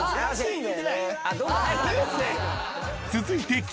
［続いて］